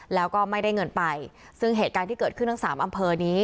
แล้วก็ไม่ได้เงินไปซึ่งเหตุการณ์ที่เกิดขึ้นทั้งสามอำเภอนี้